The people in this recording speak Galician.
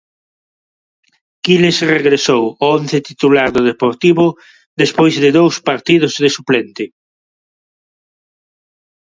Quiles regresou ao once titular do Deportivo despois de dous partidos de suplente.